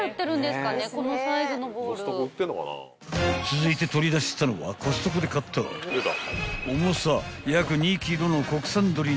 ［続いて取り出したのはコストコで買った重さ］